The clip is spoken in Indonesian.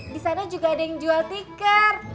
disana juga ada yang jual tikar